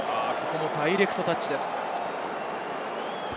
ダイレクトタッチです。